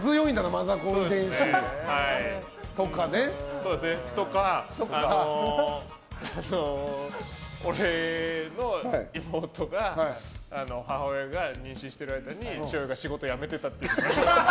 マザコン遺伝子。とか、俺の妹が母親が妊娠している間に父親が仕事辞めてたっていうのもありました。